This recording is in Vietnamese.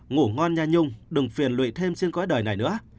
ngủ ngon nha nhung đừng phiền lụy thêm trên cõi đời này nữa